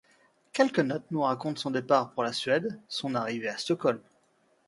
Quelques notes nous racontent son départ pour la Suède, son arrivée à Stockholm.